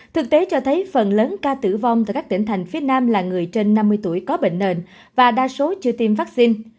thực tế cho thấy phần lớn ca tử vong tại các tỉnh thành phía nam là người trên năm mươi tuổi có bệnh nền và đa số chưa tiêm vaccine